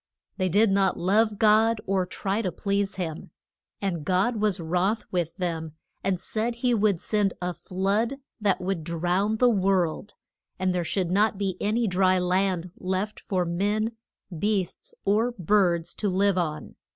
They did not love God, or try to please him. And God was wroth with them, and said he would send a flood that would drown the world, and there should not be any dry land left for men, beasts, or birds to live on.